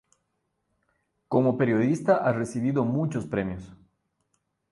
Como periodista ha recibido muchos premios.